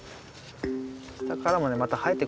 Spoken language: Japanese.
下からもねまた生えてくんだよね。